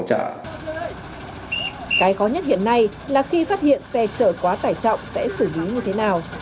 cái khó nhất hiện nay là khi phát hiện xe chở quá tải trọng sẽ xử lý như thế nào